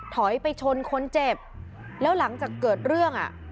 ถอยไปชนคนเจ็บแล้วหลังจากเกิดเรื่องอ่ะ